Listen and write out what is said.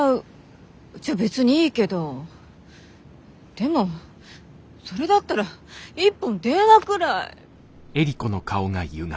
でもそれだったら一本電話ぐらい。